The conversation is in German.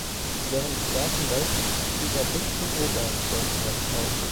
Während des Ersten Weltkriegs stieg er bis zum Oberstleutnant auf.